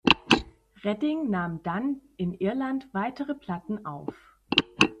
Redding nahm dann in Irland weitere Platten auf.